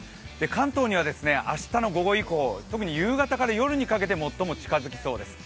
関東には明日の午後以降特に夕方から夜にかけて最も近づきそうです。